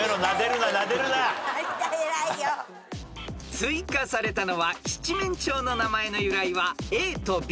［追加されたのは七面鳥の名前の由来はＡとＢ